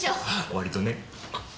割とね。